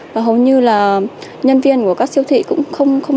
và hầu như là nhân viên của các siêu thị cũng không nhắc nhở